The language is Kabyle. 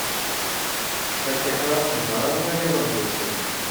Fatiḥa ad tenheṛ arma d Iɣendusen.